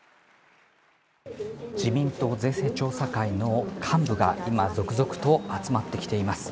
自民党税制調査会の幹部が今、続々と集まってきています。